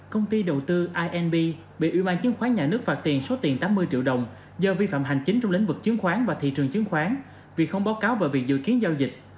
công ty đầu tư inb bị ủy ban chứng khoán nhà nước phạt tiền số tiền tám mươi triệu đồng do vi phạm hành chính trong lĩnh vực chứng khoán và thị trường chứng khoán vì không báo cáo về việc dự kiến giao dịch